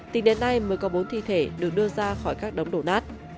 tính đến nay mới có bốn thi thể được đưa ra khỏi các đống đổ nát